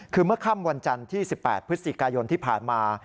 คือเมื่อค่ำวันจันทร์ที่๑๘พฤศจิกายนที่ผ่านมา